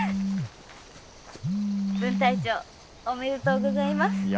分隊長おめでとうございます。